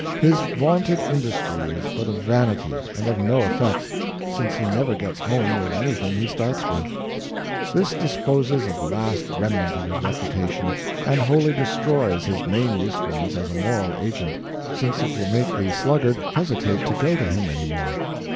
His vaunted industry is but a vanity and of no effect, since he never gets home with anything he starts with. This disposes of the last remnant of his reputation and wholly destroys his main usefulness as a moral agent, since it will make the sluggard hesitate to go to him any more.